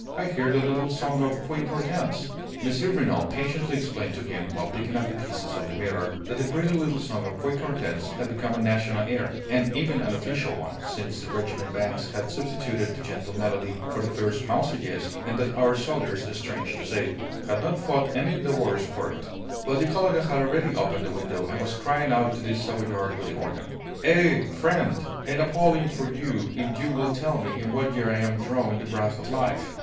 I hear the little song of Queen Hortense!" M. Renault patiently explained to him, while picking up the pieces of the mirror, that the pretty little song of Queen Hortense had become a national air, and even an official one, since the regimental bands had substituted that gentle melody for the fierce 'Marseillaise'; and that our soldiers, strange to say, had not fought any the worse for it. But the colonel had already opened the window, and was crying out to the Savoyard with the organ: "Eh! Friend! A napoleon for you if you will tell me in what year I am drawing the breath of life!"